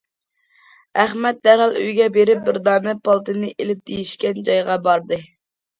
ئەخمەت دەرھال ئۆيىگە بېرىپ بىر دانە پالتىنى ئېلىپ دېيىشكەن جايغا باردى.